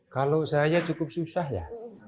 kalau saya cukup susah ya